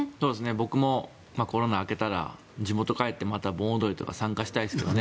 僕もコロナ明けたら地元に帰ってまた盆踊りとか参加したいですけどね。